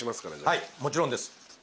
はいもちろんです。